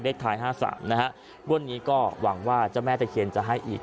ท้าย๕๓นะฮะงวดนี้ก็หวังว่าเจ้าแม่ตะเคียนจะให้อีก